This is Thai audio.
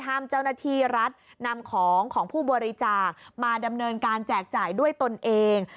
เจ้าหน้าที่รัฐนำของของผู้บริจาคมาดำเนินการแจกจ่ายด้วยตนเอง